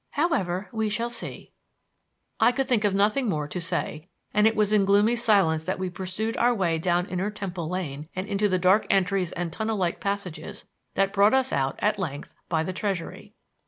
However, we shall see." I could think of nothing more to say, and it was in gloomy silence that we pursued our way down Inner Temple Lane and through the dark entries and tunnel like passages that brought us out, at length, by the Treasury.